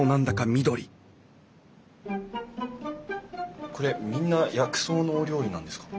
緑これみんな薬草のお料理なんですか？